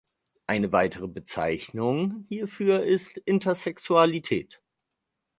Eine weitere Bezeichnung hierfür ist Intersexualität.